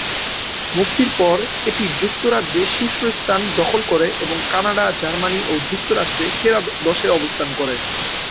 মুক্তির পর এটি যুক্তরাজ্যে শীর্ষস্থান দখল করে এবং কানাডা, জার্মানি ও যুক্তরাষ্ট্রে সেরা দশে অবস্থান করে।